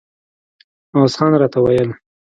عوض خان راته ویل.